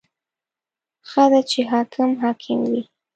• ښه ده چې حاکم حاکم وي.